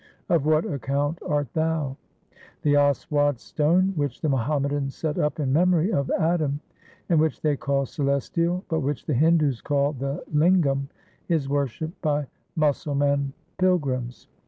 Of what account art thou ? The aswad stone which the Muhammadans set up in memory of Adam, and which they call celestial, but which the Hindus call the lingam, is worshipped by Musalman pilgrims.